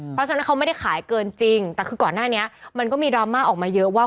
เพราะฉะนั้นเขาไม่ได้ขายเกินจริงแต่คือก่อนหน้านี้มันก็มีดราม่าออกมาเยอะว่า